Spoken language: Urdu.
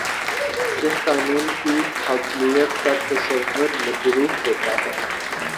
کہ قانون کی حاکمیت کا تصور مجروح ہوتا ہے